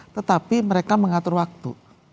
tetapi mereka mengatur waktu